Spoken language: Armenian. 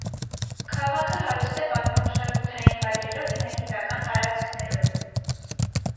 Քաղաքն հարուստ է պատմամշակութային վայրերով հնագիտական տարածքներով։